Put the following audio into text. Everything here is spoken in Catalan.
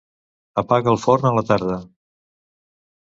Apaga el forn a la tarda.